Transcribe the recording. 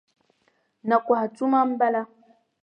Nakɔha tuma m-bala.